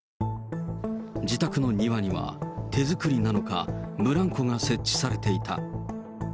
自宅の庭には、手作りなのか、ブランコが設置されていた。